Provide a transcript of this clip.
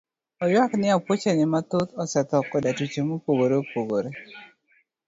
Oywak ni apuoche ne mathoth osetho koda tuoche mopogore opogore.